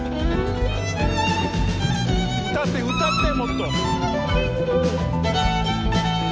歌って歌ってもっと！